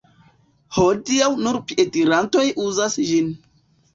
Hodiaŭ nur piedirantoj uzas ĝin.